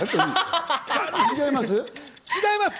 違います。